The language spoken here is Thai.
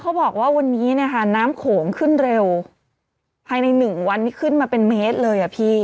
บอกว่าวันนี้เนี่ยค่ะน้ำโขงขึ้นเร็วภายในหนึ่งวันนี้ขึ้นมาเป็นเมตรเลยอ่ะพี่